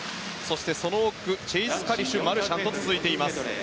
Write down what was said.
その奥、チェイス・カリシュマルシャンと続いています。